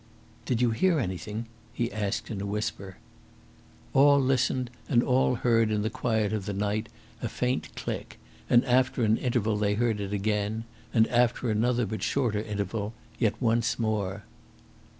"Did you hear anything?" he asked in a whisper. All listened, and all heard in the quiet of the night a faint click, and after an interval they heard it again, and after another but shorter interval yet once more.